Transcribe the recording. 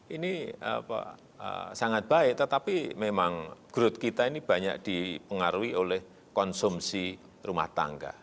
ini sangat baik tetapi memang growth kita ini banyak dipengaruhi oleh konsumsi rumah tangga